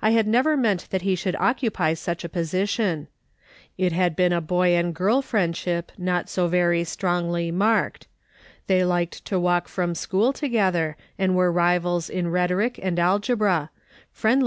I had never meant that he should occupy such a position. It had been a boy and girl friendship, not so very strongly marked. They liked to walk from school together, and were rivals in rhetoric and algebra, friendly 252 MA'S. SOLOMON SMITH LOOKING ON.